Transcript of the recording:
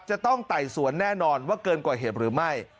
จะต้องไต่สวนแน่นอนว่าเกินกว่าเหตุหรือไม่